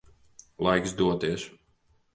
Laiks doties.